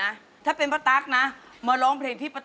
อะไรอย่างนี้